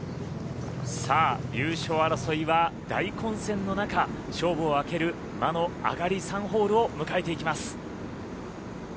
優勝争いは大混戦の中勝負を分ける魔の上がり３ホールを迎えていきます。